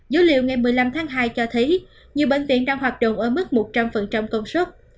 dữ liệu ngày một mươi năm tháng hai cho thấy nhiều bệnh viện đang hoạt động ở mức một trăm linh công suất